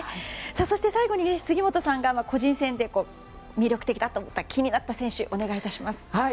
そして、最後に杉本さんが個人戦で魅力的だった気になった選手お願い致します。